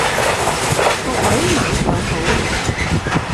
各位晚上好